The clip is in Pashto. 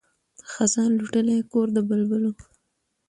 خزان لوټلی کور د بلبلو